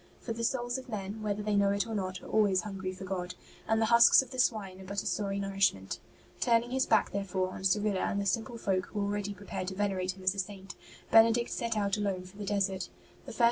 For the souls of men, whether they know it or not, are always hungry for God, and the husks of the swine are but a sorry nourishment. Turning his back, therefore, on Cyrilla and the simple folk who were already prepared to venerate him as a Saint, Benedict set out alone for the desert.